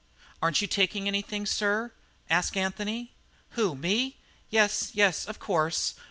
"Aren't you taking anything, sir?" asked Anthony. "Who, me? Yes, yes, of course.